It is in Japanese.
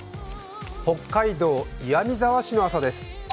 北海道岩見沢市の朝です。